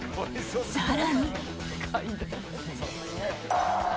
更に。